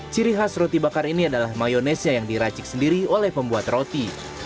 ciri khas roti bakar ini adalah mayonese yang diracik sendiri oleh pembuat roti